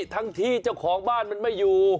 ทั้งที่เจ้าของบ้านมันไม่อยู่